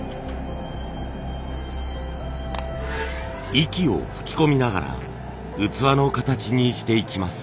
息を吹き込みながら器の形にしていきます。